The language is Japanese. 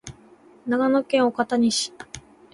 長野県岡谷市